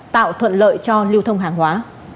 tạo thuận lợi cho lưu thông hàng hóa